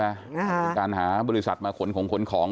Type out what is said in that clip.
คือการหาบริษัทมาขนของขนของ